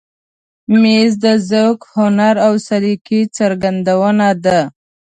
مېز د ذوق، هنر او سلیقې څرګندونه ده.